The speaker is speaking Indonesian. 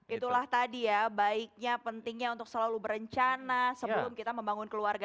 itulah tadi ya baiknya pentingnya untuk selalu berencana sebelum kita membangun keluarga